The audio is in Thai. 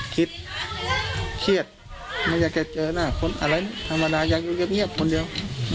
เครียดเครียดไม่อยากจะเจอหน้าคนอะไรธรรมดาอยากอยู่เงียบคนเดียว